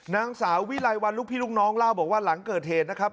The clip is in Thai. นางสาววิไลวันลูกพี่ลูกน้องเล่าบอกว่าหลังเกิดเหตุนะครับ